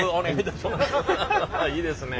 いいですね。